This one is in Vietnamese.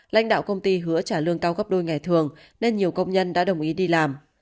lãnh đạo công ty hứa trả lương cao gấp đôi ngày thường nên nhiều công nhân đã đồng ý đi làm